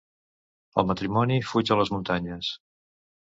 El matrimoni fuig a les muntanyes.